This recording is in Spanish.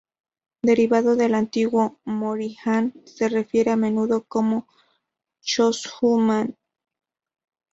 Derivado de la antiguo, "Mōri Han" se refiere a menudo como Chōshū Han.